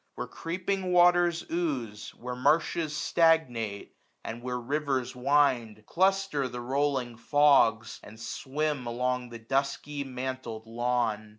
Where creeping waters ooze. Where marshes stagnate, and where rivers wind, Y Ife AUTUMN. Cluster the rolling fogs, and swim along 1085 The dusky mantled lawn.